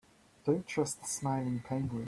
Don't trust the smiling penguin.